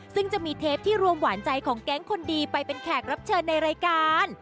ซึ่งจะมีเทปที่รวมหวานใจของแก๊งคนดีไปเป็นแขกรับเชิญในรายการ